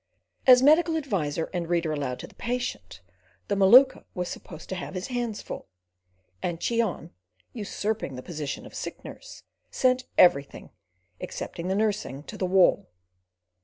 As medical adviser and reader aloud to the patient, the Maluka was supposed to have his hands full, and Cheon, usurping the position of sick nurse, sent everything, excepting the nursing, to the wall.